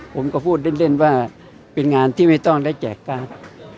ผมก็พูดเล่นว่าเป็นงานที่ไม่ต้องได้แจกการ์ด